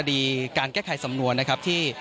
มานานนะครับ